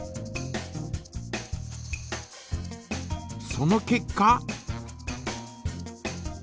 その結果？